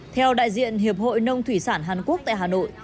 theo đại diện hiệp hội nông thủy sản hàn quốc tại hà nội